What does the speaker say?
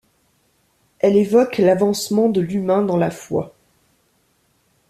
Elle évoque l'avancement de l'humain dans la foi.